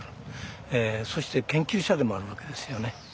そして研究者でもあるわけですよね。